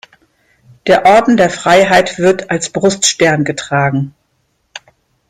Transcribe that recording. Der Orden der Freiheit wird als Bruststern getragen.